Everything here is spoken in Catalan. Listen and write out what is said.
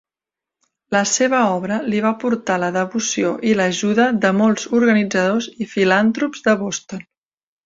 La seva obra li va portar la devoció i l'ajuda de molts organitzadors i filantrops de Boston.